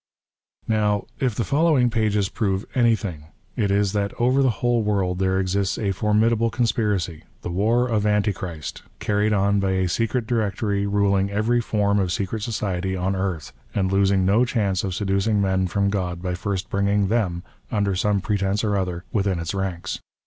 Now, if the following pages prove anything, it is that over the whole world there exists a formidable conspiracy — the War of Antichrist — carried on by a secret directory rulino every form of secret society on earth, and losing no chance of seducing men from God by first bringing them, under some pretence or other, within its ranks.